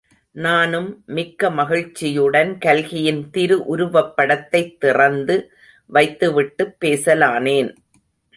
நானும் மிக்க மகிழ்ச்சியுடன் கல்கியின் திரு உருவப்படத்தைத் திறந்து வைத்து விட்டுப் பேசலானேன்.